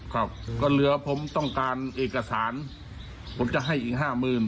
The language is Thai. ครับก็เหลือผมต้องการเอกสารผมจะให้อีกห้าหมื่น